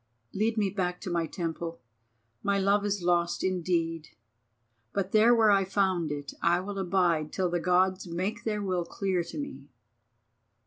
Lead me back to my temple. My Love is lost indeed, but there where I found it I will abide till the Gods make their will clear to me."